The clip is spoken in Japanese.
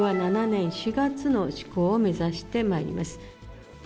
７年４月の施行を目指してまいります。